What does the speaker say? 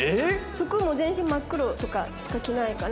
服も全身真っ黒とかしか着ないから。